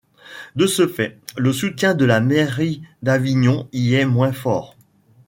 De ce fait, le soutien de la mairie d'Avignon y est moins fort.